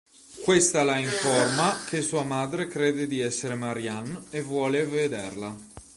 Questa la informa che sua madre crede di essere Marianne e vuole vederla.